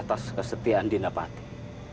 atas kesetiaan dinda patih